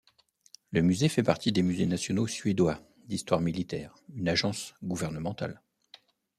Le musée fait partie des musées nationaux suédois d'histoire militaire, une agence gouvernementale.